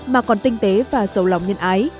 mà còn tinh tế và sầu lòng nhân ái